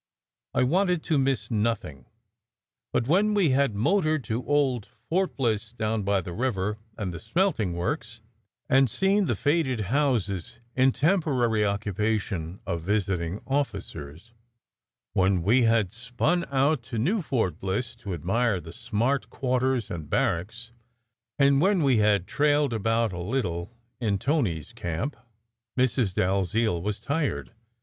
I wanted to miss SECRET HISTORY 97 nothing, but when we had motored to old Fort Bliss down by the river and the smelting works, and seen the faded houses in temporary occupation of visiting officers; when we had spun out to new Fort Bliss to admire the smart quarters and barracks, and when we had trailed about a a Kttle in "Tony s camp," Mrs. Dalziel was tired.